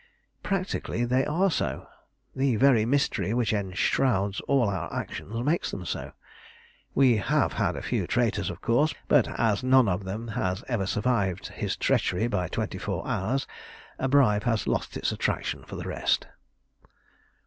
"Practically they are so. The very mystery which enshrouds all our actions makes them so. We have had a few traitors, of course; but as none of them has ever survived his treachery by twenty four hours, a bribe has lost its attraction for the rest."